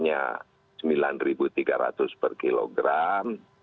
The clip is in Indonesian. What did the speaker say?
yaitu cpo nya sembilan ribu tiga ratus per kilogram